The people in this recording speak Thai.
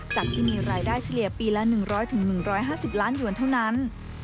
จากที่มีรายได้เฉลี่ยปีละ๑๐๐๑๕๐ล้านหยวนเท่านั้น